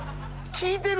聞いてる？